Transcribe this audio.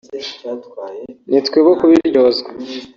nitwe bo kubiryozwa